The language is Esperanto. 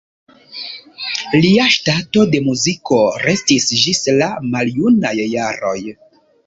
Lia ŝtato de muziko restis ĝis la maljunaj jaroj.